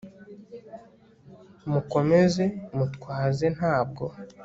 mu komeze mutwaze ntabwo